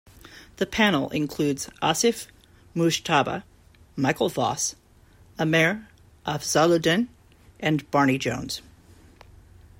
The panel includes Asif Mujtaba, Michael Voss, Amer Afzaluddin and Barney Jones.